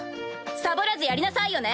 サボらずやりなさいよね。